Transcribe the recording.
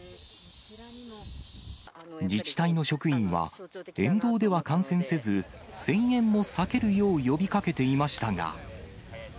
自治体の職員は、沿道では観戦せず、声援も避けるよう呼びかけていましたが。